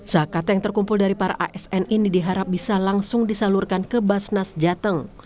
zakat yang terkumpul dari para asn ini diharap bisa langsung disalurkan ke basnas jateng